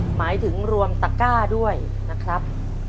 หมายถึงรวมตะก้าด้วยนะครับ